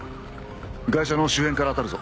ガイシャの周辺から当たるぞ。